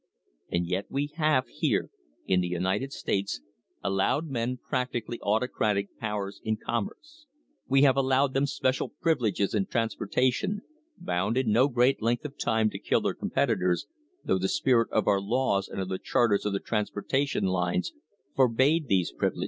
And yet we have here in the United States allowed men practically autocratic powers in commerce. We have allowed them special privi leges in transportation, bound in no great length of time to kill their competitors, though the spirit of our laws and of the charters of the transportation lines forbade these privileges.